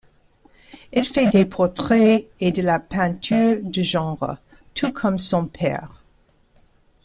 Elle fait des portraits et de la peinture de genre, tout comme son père.